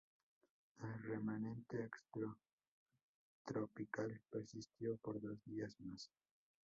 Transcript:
El remanente extratropical persistió por dos días más.